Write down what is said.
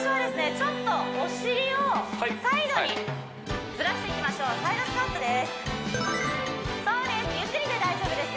ちょっとお尻をサイドにずらしていきましょうサイドスクワットですそうです